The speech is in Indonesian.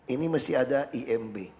ini mesti ada imb